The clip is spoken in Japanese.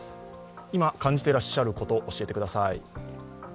今感じていらっしゃること、教えてください。